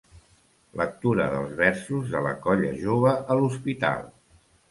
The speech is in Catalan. Lectura dels versos de la Colla Jove a l'Hospital.